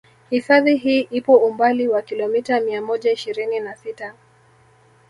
Hifadhi hii ipo umbali wa kilomita mia moja ishirini na sita